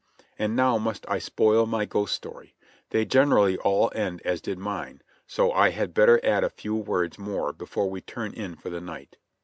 And now must I spoil my ghost story — they generally all end as did mine, so I had better add a few words more before we turn in for the night.